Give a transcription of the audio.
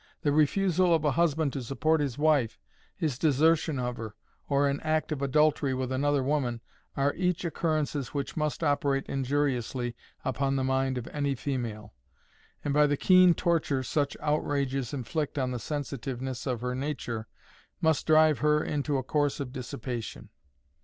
The refusal of a husband to support his wife, his desertion of her, or an act of adultery with another woman, are each occurrences which must operate injuriously upon the mind of any female, and, by the keen torture such outrages inflict on the sensitiveness of her nature, must drive her into a course of dissipation.